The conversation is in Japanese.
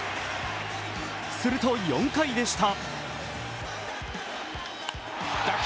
すると４回でした。